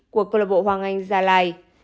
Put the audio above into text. của cơ lộc bộ hoàng anh gia lai